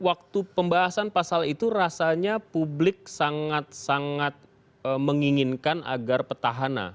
waktu pembahasan pasal itu rasanya publik sangat sangat menginginkan agar petahana